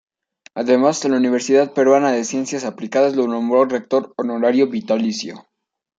Además la Universidad Peruana de Ciencias Aplicadas lo nombró Rector Honorario Vitalicio.